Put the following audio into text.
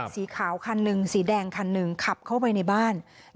สีขาวคันหนึ่งสีแดงคันหนึ่งขับเข้าไปในบ้าน